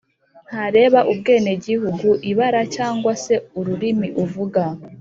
Ntareba ubwenegihugu ibara cyangwa se ururimi uvuga